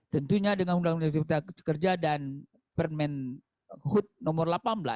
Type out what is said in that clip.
tentunya dengan undang undang cipta kerja dan permen hut nomor delapan belas